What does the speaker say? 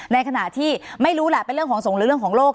ในขณะที่ไม่รู้แหละเป็นเรื่องของสงฆ์หรือเรื่องของโลก